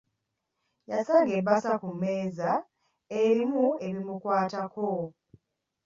Yasanga ebbaasa ku mmeeza erimu ebimukwatako.